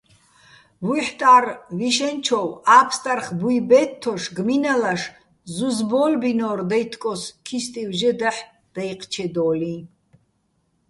ვუჰ̦ტა́რ ვიშენჩოვ, ა́ფსტარხ ბუჲ ბე́თთოშ, გმინალაშ ზუზ ბო́ლბინო́რ დაჲთკოს ქისტივ ჟე დაჰ̦ დაჲჴჩედო́ლიჼ.